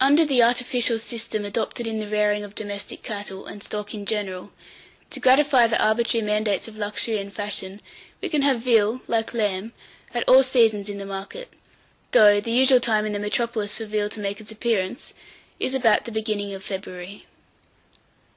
846. UNDER THE ARTIFICIAL SYSTEM adopted in the rearing of domestic cattle, and stock in general, to gratify the arbitrary mandates of luxury and fashion, we can have veal, like lamb, at all seasons in the market, though the usual time in the metropolis for veal to make its appearance is about the beginning of February.